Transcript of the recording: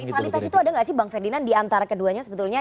rivalitas itu ada tidak sih bang ferdinand diantara keduanya sebetulnya